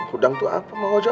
hudang tuh apa mak ojo